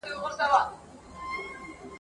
د ښځي خپلواکي د ځاني شتمنيو